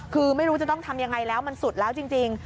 คือไม่รู้จะต้องทำยังไงแล้วมันสุดแล้วจริง